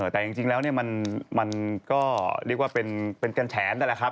แต่จริงจริงแล้วเนี่ยมันมันก็เรียกว่าเป็นเป็นการแชร์นั่นแหละครับ